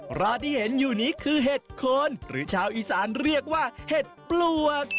เพราะที่เห็นอยู่นี้คือเห็ดโคนหรือชาวอีสานเรียกว่าเห็ดปลวก